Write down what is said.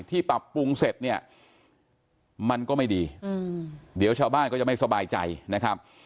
ปรับปรุงเสร็จเนี่ยมันก็ไม่ดีเดี๋ยวชาวบ้านก็จะไม่สบายใจนะครับ